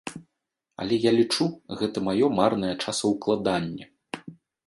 Але я лічу, гэта маё марнае часаўкладанне.